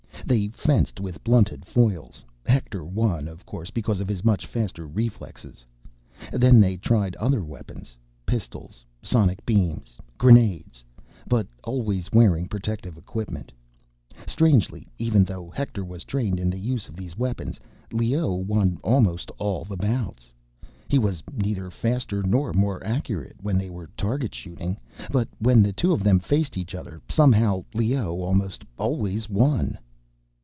They fenced with blunted foils—Hector won, of course, because of his much faster reflexes. Then they tried other weapons—pistols, sonic beams, grenades—but always wearing protective equipment. Strangely, even though Hector was trained in the use of these weapons, Leoh won almost all the bouts. He was neither faster nor more accurate, when they were target shooting. But when the two of them faced each other, somehow Leoh almost always won.